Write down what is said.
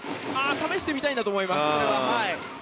試してみたいんだと思います。